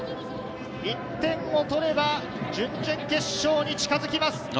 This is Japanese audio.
１点を取れば準々決勝に近づきます。